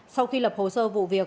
sau khi lập hồ sơ vụ việc